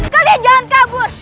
kalian jangan kabur